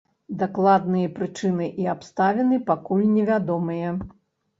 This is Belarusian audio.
Дакладныя прычыны і абставіны пакуль невядомыя.